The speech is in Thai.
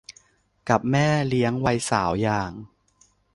กับแม่เลี้ยงวัยสาวอย่าง